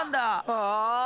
ああ。